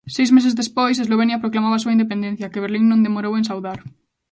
Seis meses despois, Eslovenia proclamaba a súa independencia, que Berlín non demorou en saudar.